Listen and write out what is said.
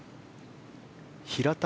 平田